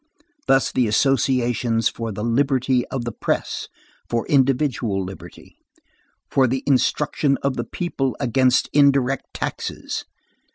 Thus the associations for the liberty of the press, for individual liberty, for the instruction of the people against indirect taxes.